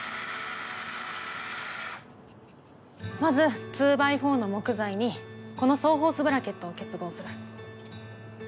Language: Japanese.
まず２×４の木材にこのソーホースブラケットを結合する。